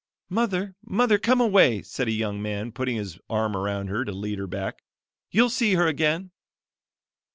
"Mother, mother come away," said a young man putting his arm around her to lead her back. "You'll see her again."